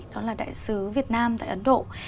đó là đại sứ việt nam tại ấn độ